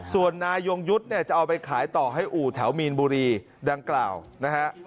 ส่วนนายยงยุทธ์เนี่ยจะเอาไปขายต่อให้อู่แถวมีนบุรีดังกล่าวนะฮะ